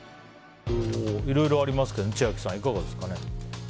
いろいろありますけど千秋さん、いかがですかね。